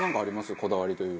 こだわりというか。